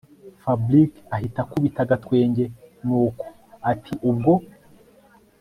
Fabric ahita akubita agatwenge nuko atiubwo